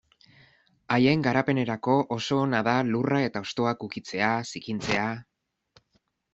Haien garapenerako oso ona da lurra eta hostoak ukitzea, zikintzea...